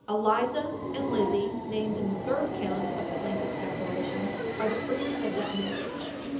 Eliza and Lizzie, named in the third count of the plaintiff's declaration, are the fruit of that marriage.